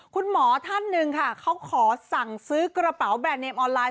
คุณหมอท่านหนึ่งค่ะเขาขอสั่งซื้อกระเป๋าแบรนเมมออนไลน